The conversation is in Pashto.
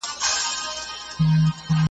ما د خپلي سجدې لوری له اورغوي دی اخیستی ,